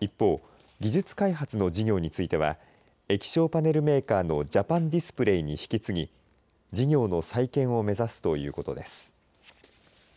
一方、技術開発の事業については液晶パネルメーカーのジャパンディスプレイに引き継ぎ事業の再建を目指すということです。